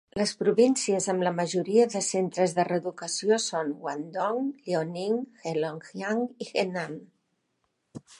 Les províncies amb la majoria de centres de reeducació són Guangdong, Liaoning, Heilongjiang i Henan.